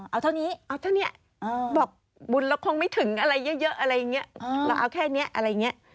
เอาเท่านี้เอาเท่านี้บอกบุญเราคงไม่ถึงอะไรเยอะอะไรอย่างนี้เราเอาแค่นี้อะไรอย่างนี้